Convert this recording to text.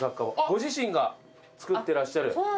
ご自身が作ってらっしゃる。